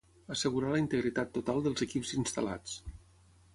Assegurar la integritat total dels equips instal·lats